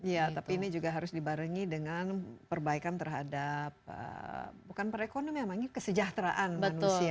iya tapi ini juga harus dibarengi dengan perbaikan terhadap bukan perekonomian memang kesejahteraan manusia